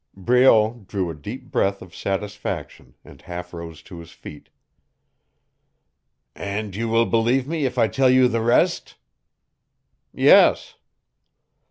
Breault drew a deep breath of satisfaction, and half rose to his feet. "And you will believe me if I tell you the rest?" "Yes."